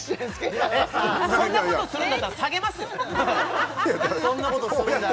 平子さんそんなことするんだったら下げますよいや